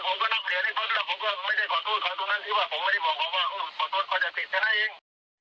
ผมไม่ได้บอกเขาว่าขอโทษเขาจะฝีกันให้เอง